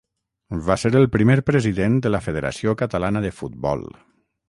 Va ser el primer president de la Federació Catalana de Futbol.